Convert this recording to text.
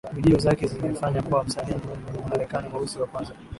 Video zake zimefanya kuwa msanii Mmarekani Mweusi wa kwanza